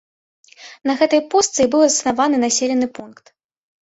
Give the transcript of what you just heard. На гэтай пустцы і быў заснаваны населены пункт.